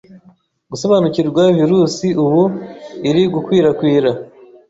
gusobanukirwa virusi ubu iri gukwirakwira